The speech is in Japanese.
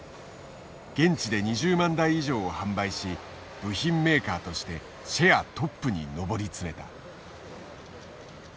現地で２０万台以上を販売し部品メーカーとしてシェアトップに上り詰めた。